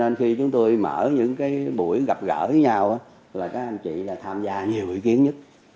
nên khi chúng tôi mở những cái buổi gặp gỡ với nhau là các anh chị tham gia nhiều ý kiến nhất